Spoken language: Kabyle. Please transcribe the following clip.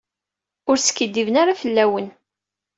Ur skiddiben ara fell-awen.